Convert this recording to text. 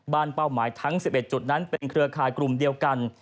เป้าหมายทั้ง๑๑จุดนั้นเป็นเครือข่ายกลุ่มเดียวกัน